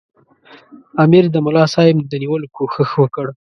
امیر د ملاصاحب د نیولو کوښښ وکړ.